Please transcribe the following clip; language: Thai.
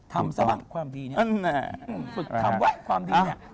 ทำซะบ้างความดีเนี่ยฝึกทำไว้ความดีเนี่ย